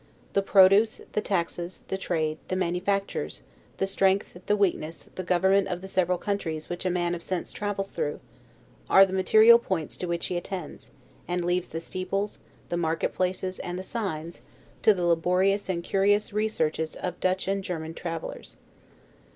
The produce, the taxes, the trade, the manufactures, the strength, the weakness, the government of the several countries which a man of sense travels through, are the material points to which he attends; and leaves the steeples, the market places, and the signs, to the laborious and curious researches of Dutch and German travelers.